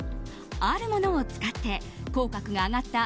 あるものを使って口角が上がった